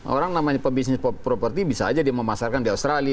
orang namanya pebisnis properti bisa aja dia memasarkan di australia